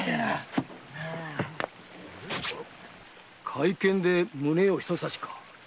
懐剣で胸をひと刺しか。